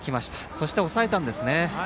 そして、抑えたんですね。